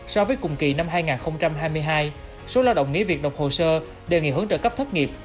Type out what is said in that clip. so với cùng kỳ năm hai nghìn hai mươi hai số lao động nghỉ việc đọc hồ sơ đề nghị hưởng trợ cấp thất nghiệp